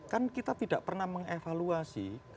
kan kita tidak pernah mengevaluasi